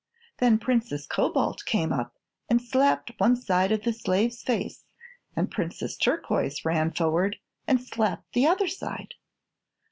Then Princess Cobalt came up and slapped one side of the slave's face and Princess Turquoise ran forward and slapped the other side.